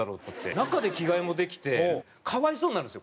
中で着替えもできて可哀想になるんですよ